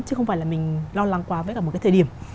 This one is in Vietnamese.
chứ không phải là mình lo lắng quá với cả một cái thời điểm